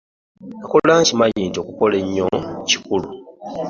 Nakula nkimanyi nti okukola ennyo kikulu.